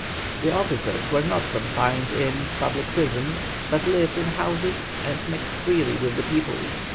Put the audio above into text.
The officers were not confined in the public prison, but lived in houses and mixed freely with the people.